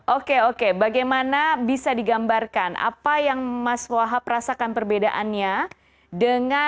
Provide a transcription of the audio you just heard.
oke oke bagaimana bisa digambarkan apa yang mas wahab rasakan perbedaannya dengan